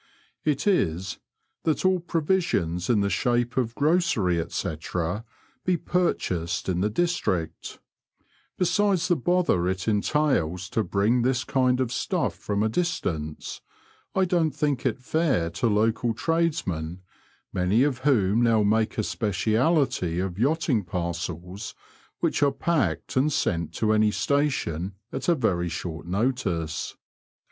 It is that all provisions in the shape of grocery, &c., be purchased in the district ; besides the bother it entails to bring this kind of stuff from a distance, I don't think it fair to local tradesmen, many of whom now make a speciality of yachting parcels, which are packed and sent to any station at a very short notice.